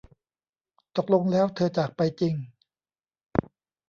ตกลงแล้วเธอจากไปจริง